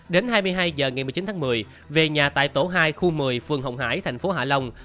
đến hai mươi hai h ngày một mươi chín tháng một mươi về nhà tại tổ hai khu một mươi phường hồng hải thành phố hạ long